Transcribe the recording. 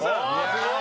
すごい。